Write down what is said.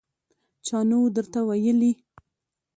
_چا نه و درته ويلي!